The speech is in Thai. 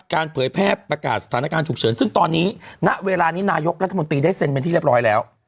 เผยแพร่ประกาศสถานการณ์ฉุกเฉินซึ่งตอนนี้ณเวลานี้นายกรัฐมนตรีได้เซ็นเป็นที่เรียบร้อยแล้ว